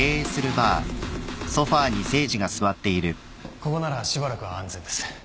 ここならしばらくは安全です。